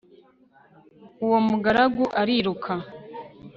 uwo mugaragu ariruka